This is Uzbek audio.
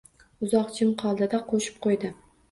Uzoq jim qoldi-da, qo’shib qo’ydi.